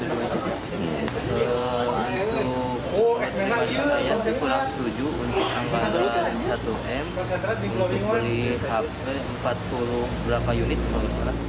untuk penyelenggaraan yang kurang setuju untuk membeli hp empat puluh delapan unit ponsel